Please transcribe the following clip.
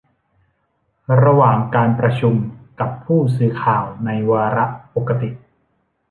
ระหว่างการประชุมกับผู้สื่อข่าวในวาระปกติ